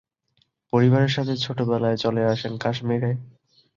পরিবারের সাথে ছোটবেলায় চলে আসেন কাশ্মীরে।